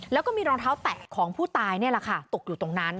แล้วก็มีรองเท้าแตะของผู้ตายนี่แหละค่ะตกอยู่ตรงนั้น